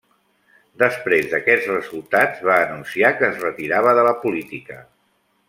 Després d'aquests resultats va anunciar que es retirava de la política.